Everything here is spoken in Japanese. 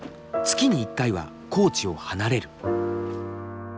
月に一回は高知を離れる。